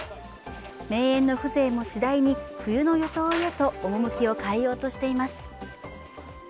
名園の風情も次第に冬の装いへと趣を変えようとしています。